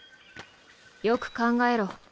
よく考えろ。